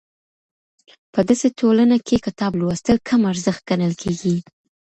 په دسې ټولنه کې کتاب لوستل کم ارزښت ګڼل کېږي.